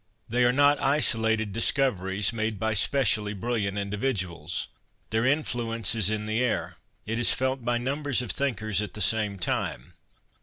They are not isolated discoveries made by specially brilliant individuals. Their influence is in the air. It is felt by numbers of thinkers at the same time.